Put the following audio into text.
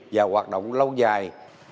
và hoạt động lâu dài